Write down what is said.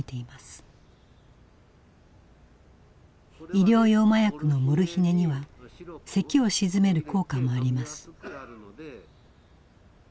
医療用麻薬のモルヒネにはせきを鎮める効果もあります。